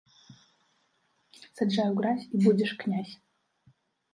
Саджай у гразь і будзеш князь.